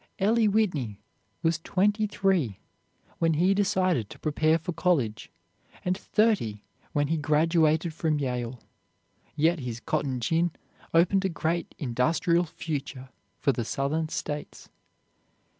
Eli Whitney was twenty three when he decided to prepare for college, and thirty when he graduated from Yale; yet his cotton gin opened a great industrial future for the Southern States.